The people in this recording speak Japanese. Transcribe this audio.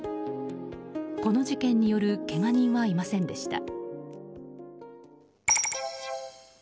この事件によるけが人はいませんでした。